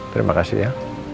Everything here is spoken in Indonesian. terima kasih ya